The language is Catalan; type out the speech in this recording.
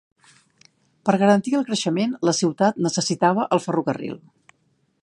Per garantir el creixement, la ciutat necessitava el ferrocarril.